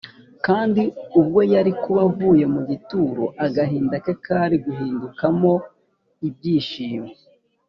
Kandi ubwo yari kuba avuye mu gituro agahinda ke kari guhindukamo ibyishimo